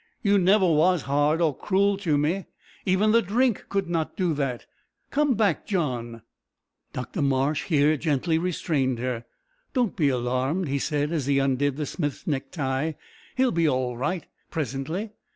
You never was hard or cruel to me! Even the drink could not do that. Come back, John!" Dr Marsh here gently restrained her. "Don't be alarmed," he said, as he undid the smith's necktie; "he'll be all right presently.